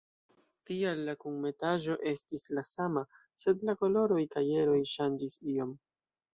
Tial la kunmetaĵo estis la sama, sed la koloroj kaj eroj ŝanĝis iom.